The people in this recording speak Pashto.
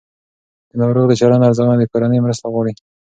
د ناروغ د چلند ارزونه د کورنۍ مرسته غواړي.